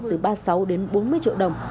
từ ba mươi sáu đến bốn mươi triệu đồng